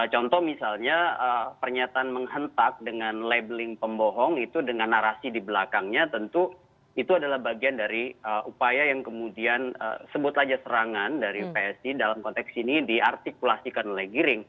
contoh misalnya pernyataan menghentak dengan labeling pembohong itu dengan narasi di belakangnya tentu itu adalah bagian dari upaya yang kemudian sebut saja serangan dari psi dalam konteks ini diartikulasikan oleh giring